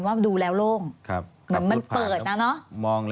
ว่ามันดูแล้วลง